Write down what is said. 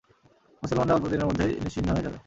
মুসলমানরা অল্পদিনের মধ্যেই নিশ্চিহ্ন হয়ে যাবে।